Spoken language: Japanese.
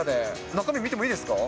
中身見てもいいですか。